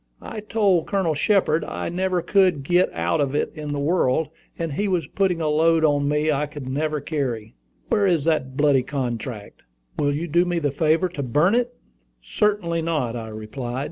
"I told Colonel Shepard I never could get out of it in the world, and he was putting a load on me I could never carry. Where is that bloody contract? Will you do me the favor to burn it?" "Certainly not," I replied.